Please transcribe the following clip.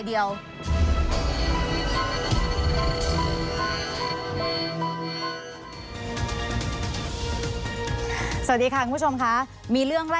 แล้วทีนี้เขาก็เอาไปบ้านแฟนเขา